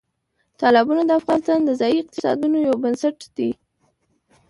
تالابونه د افغانستان د ځایي اقتصادونو یو بنسټ دی.